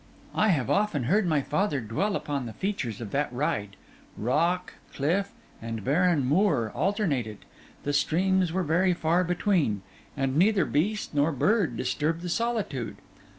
I have often heard my father dwell upon the features of that ride: rock, cliff, and barren moor alternated; the streams were very far between; and neither beast nor bird disturbed the solitude.